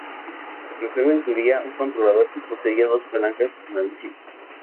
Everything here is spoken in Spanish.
El juego incluía un controlador que poseía dos palancas analógicas.